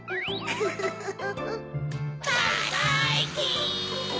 フフフフ！